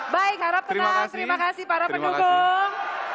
baik harap tenang terima kasih para pendukung